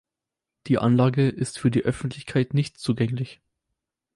Die Anlage ist für die Öffentlichkeit nicht zugänglich.